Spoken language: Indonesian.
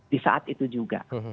di saat itu juga